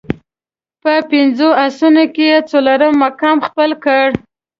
په پنځو اسونو کې یې څلورم مقام خپل کړ.